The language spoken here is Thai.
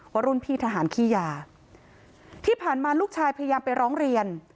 ว่ารุ่นพี่ทหารขี้ยาที่ผ่านมาลูกชายพยายามไปร้องเรียน